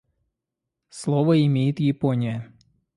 Слово имеет Япония.